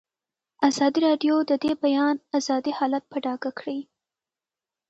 ازادي راډیو د د بیان آزادي حالت په ډاګه کړی.